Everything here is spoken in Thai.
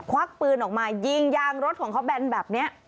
ควักปืนออกมายิงยางรถของเขาแบนแบบนี้